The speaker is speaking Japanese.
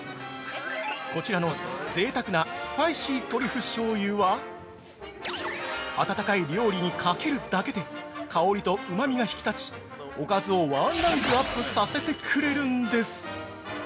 こちらの、贅沢なスパイシートリュフしょうゆは、あたたかい料理にかけるだけで、香りとうまみが引き立ちおかずをワンランクアップさせてくれるんです。